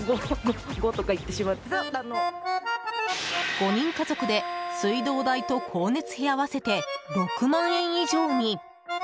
５人家族で、水道代と光熱費合わせて６万円以上に。